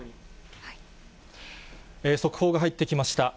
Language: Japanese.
速報が入ってきました。